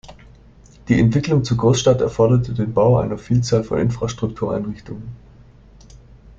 Die Entwicklung zur Großstadt erforderte den Bau einer Vielzahl von Infrastruktureinrichtungen.